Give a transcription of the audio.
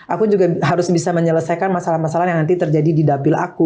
aku juga harus bisa menyelesaikan masalah masalah yang nanti terjadi di dapil aku